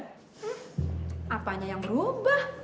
hmm apanya yang berubah